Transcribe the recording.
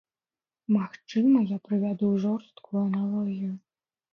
Магчыма, я прывяду жорсткую аналогію.